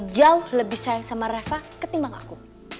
jauh lebih sayang sama reva ketimbang aku